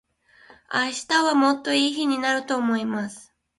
明日はもっと良い日になると思います。